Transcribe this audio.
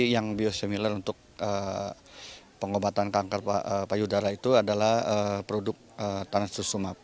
yang biosimilar untuk pengobatan kanker payudara itu adalah produk tansusumab